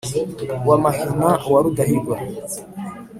wa mahina wa rudahigwa